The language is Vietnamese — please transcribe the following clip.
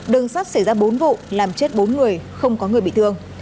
đường sắt xảy ra bốn vụ làm chết bốn người không có người bị thương